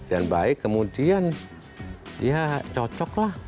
dan baik kemudian ya cocok lah